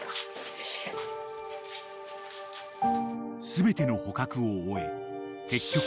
［全ての捕獲を終え結局］